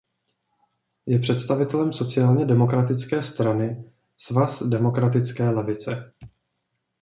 Je představitelem sociálnědemokratické strany Svaz demokratické levice.